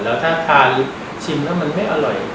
แล้วถ้าทานชิมแล้วมันไม่อร่อย